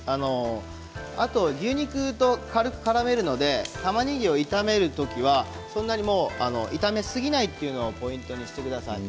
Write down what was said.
あと、牛肉と軽くからめるのでたまねぎを炒めるときはそんなに炒めすぎないということをポイントにしてください。